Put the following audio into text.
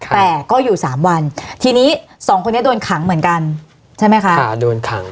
แต่ก็อยู่สามวันทีนี้สองคนนี้โดนขังเหมือนกันใช่ไหมคะโดนขัง